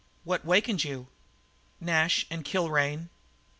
"What wakened you?" "Nash and Kilrain."